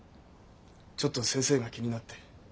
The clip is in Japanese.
ちょっと先生が気になって。